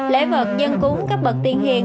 lễ vật dân cúng cấp bật tiền hiền